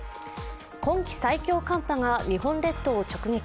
今季最強寒波が日本列島を直撃。